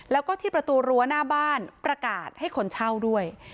แล้วก็ที่ประตูรั้วหน้าบ้านประกาศให้คนเช่าด้วย